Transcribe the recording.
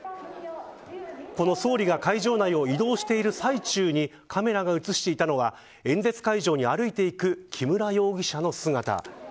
この総理が会場内を移動している最中にカメラが映していたのは演説会場に歩いていく木村容疑者の姿。